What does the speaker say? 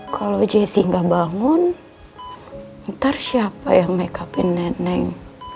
kalau jessy gak bangun ntar siapa yang make up in nenek